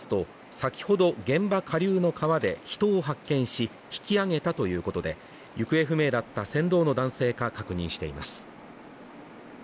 消防によりますと、先ほど現場下流の川で人を発見し、引き上げたということで行方不明だった船頭の男性か確認しています。